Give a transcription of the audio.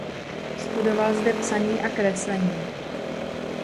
Studoval zde psaní a kreslení.